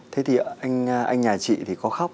thế thì anh nhà chị thì có khóc